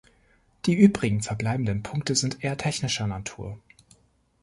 Die übrigen verbleibenden Punkte sind eher technischer Natur.